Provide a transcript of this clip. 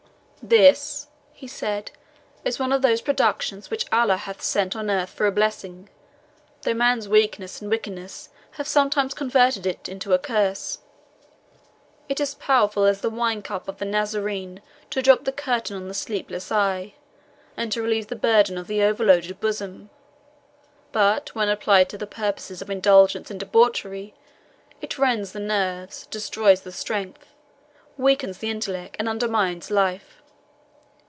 "This," he said, "is one of those productions which Allah hath sent on earth for a blessing, though man's weakness and wickedness have sometimes converted it into a curse. It is powerful as the wine cup of the Nazarene to drop the curtain on the sleepless eye, and to relieve the burden of the overloaded bosom; but when applied to the purposes of indulgence and debauchery, it rends the nerves, destroys the strength, weakens the intellect, and undermines life.